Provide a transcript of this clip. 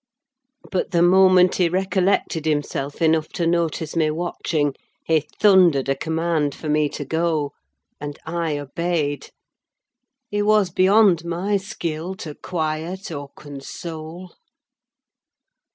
But the moment he recollected himself enough to notice me watching, he thundered a command for me to go, and I obeyed. He was beyond my skill to quiet or console!